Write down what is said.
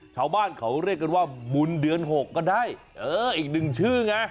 ชาวบ้านเขาเรียกกันว่าบุญเดือน๖ก็ได้เอออีกหนึ่งชื่อไง